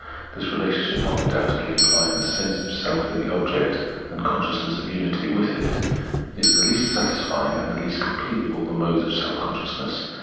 This relationship, vi'hile undoubtedly implying the sense of self in the object and consciousness of unity with it, is the least satisfying and the least complete of all the modes of self consciousness.